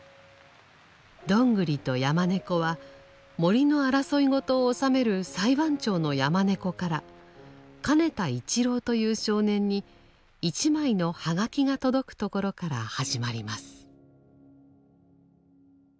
「どんぐりと山猫」は森の争いごとをおさめる裁判長の山猫から「かねた一郎」という少年に一枚のはがきが届くところから始まります。